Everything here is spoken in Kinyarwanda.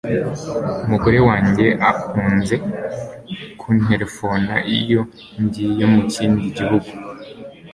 Umugore wanjye akunze kunterefona iyo ngiye mu kindi gihugu.